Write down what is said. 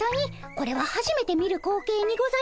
これははじめて見る光景にございます。